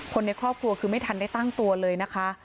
คนในครอบครัวคือไม่ทันได้ตั้งตัวเลยนะคะ